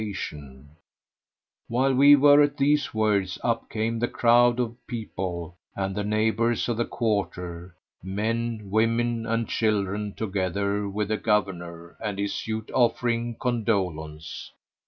"[FN#100] While we were at these words, up came the crowd of people, and the neighbours of the quarter, men, women and children, together with the Governor and his suite offering condolence.